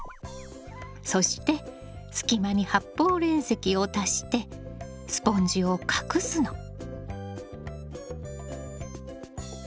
そして隙間に発泡煉石を足してスポンジを隠すの。